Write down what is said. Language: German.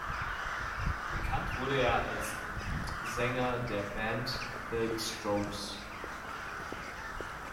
Bekannt wurde er als Leadsänger der Band The Strokes.